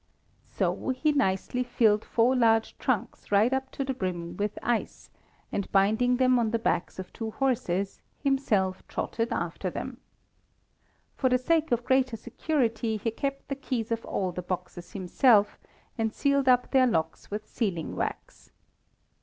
So he nicely filled four large trunks right up to the brim with ice, and binding them on the backs of two horses, himself trotted after them. For the sake of greater security, he kept the keys of all the boxes himself, and sealed up their locks with sealing wax.